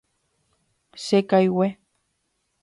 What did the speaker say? Chekaigue.